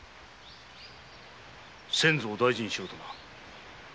「先祖を大事にしろ」とな。